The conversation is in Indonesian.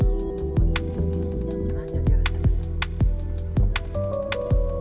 ibu beli di warung atau di pangkalan